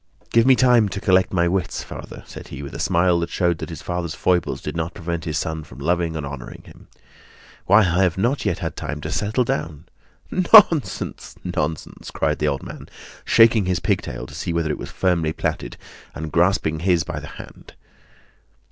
"Give me time to collect my wits, Father," said he, with a smile that showed that his father's foibles did not prevent his son from loving and honoring him. "Why, I have not yet had time to settle down!" "Nonsense, nonsense!" cried the old man, shaking his pigtail to see whether it was firmly plaited, and grasping his by the hand.